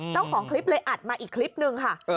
เจ้าของคลิปเลยอัดมาอีกคลิปนึงค่ะ